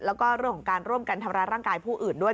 แล้วก็เรื่องของการร่วมกันทำร้ายร่างกายผู้อื่นด้วย